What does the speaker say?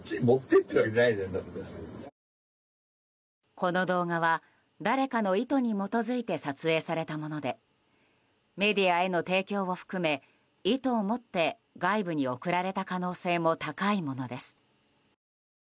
この動画は誰かの意図に基づいて撮影されたものでメディアへの提供も含め意図を持って外部に送られた可能性も高いものです。